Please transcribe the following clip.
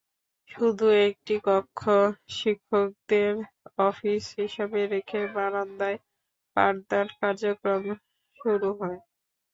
শুধু একটি কক্ষ শিক্ষকদের অফিস হিসেবে রেখে বারান্দায় পাঠদান কার্যক্রম শুরু হয়।